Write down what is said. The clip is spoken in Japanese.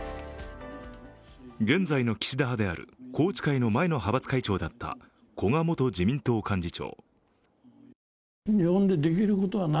現在の岸田派である宏池会の前の派閥会長だった古賀元自民党幹事長。